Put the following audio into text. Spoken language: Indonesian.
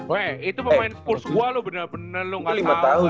weh itu pemain kurs gua lu bener bener lu gak tau